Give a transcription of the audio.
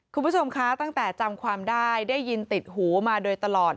คุณผู้ชมคะตั้งแต่จำความได้ได้ยินติดหูมาโดยตลอด